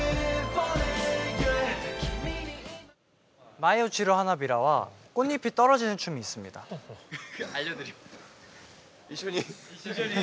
「舞い落ちる花びら」は一緒に。